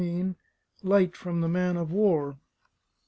LIGHT FROM THE MAN OF WAR.